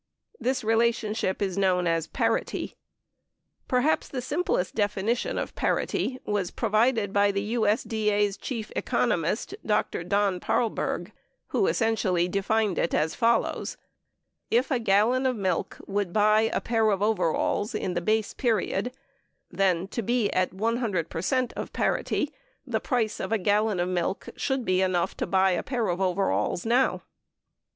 This relationship is known as "parity." Perhaps the simplest defini tion of parity was provided by the USDA's chief economist, Dr. Don Paarlberg, who essentially defined it as follows : If a gallon of milk would buy a pair of overalls in the base period, then to be at 100 per cent of parity, the price of a gallon of milk should be enough to buy a pair of overalls now.